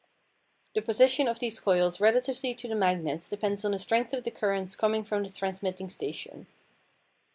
The position of these coils relatively to the magnets depend on the strength of the currents coming from the transmitting station.